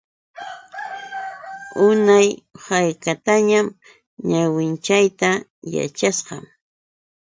Unay haykatañam ñawinchayta yachashqam.